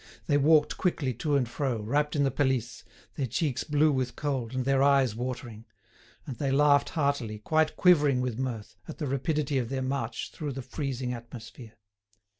They walked quickly to and fro, wrapped in the pelisse, their cheeks blue with cold, and their eyes watering; and they laughed heartily, quite quivering with mirth, at the rapidity of their march through the freezing atmosphere.